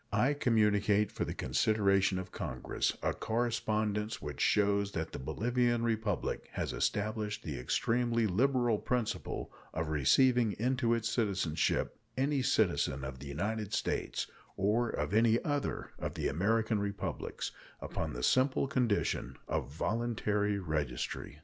I communicate, for the consideration of Congress, a correspondence which shows that the Bolivian Republic has established the extremely liberal principle of receiving into its citizenship any citizen of the United States, or of any other of the American Republics, upon the simple condition of voluntary registry.